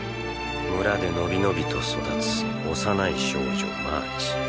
村でのびのびと育つ幼い少女マーチ。